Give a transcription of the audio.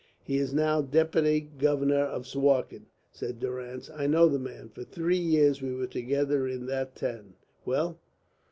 "He is now Deputy Governor of Suakin," said Durrance. "I know the man. For three years we were together in that town. Well?"